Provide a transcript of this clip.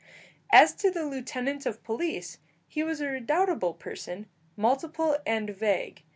As to the lieutenant of police, he was a redoubtable person, multiple and vague.